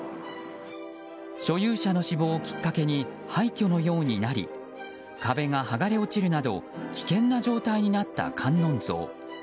所有者の死亡をきっかけに廃虚のようになり壁が剥がれ落ちるなど危険な状態になった観音像。